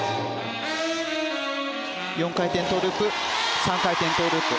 ４回転トウループ３回転トウループ。